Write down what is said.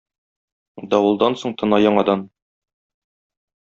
Давылдан соң тына яңадан.